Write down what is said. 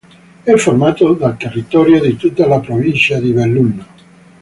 È formato dal territorio di tutta la provincia di Belluno.